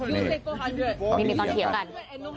นี่มีตอนเถียงกัน